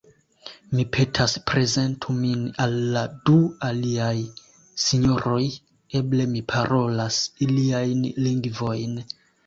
Mi petas: prezentu min al la du aliaj sinjoroj; eble mi parolas iliajn lingvojn.